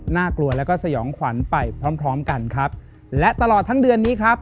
กลัวแล้วก็สยองขวัญไปพร้อมพร้อมกันครับและตลอดทั้งเดือนนี้ครับ